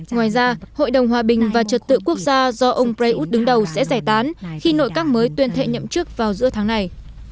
ngoài ra hội đồng hòa bình và trật tự quốc gia do ông prayuth đứng đầu sẽ giải tán khi nội các mới tuyên thệ nhậm chức vào giữa tháng này